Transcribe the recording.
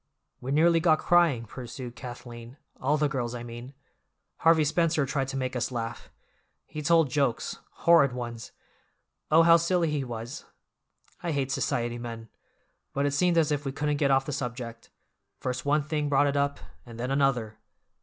"We nearly got crying," pursued Kathleen, "all the girls, I mean. Harvey Spencer tried to make us laugh; he told jokes—horrid ones. Oh, how silly he was! I hate society men. But it seemed as if we couldn't get off the subject; first one thing brought it up, and then another.